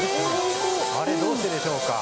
どうしてでしょうか。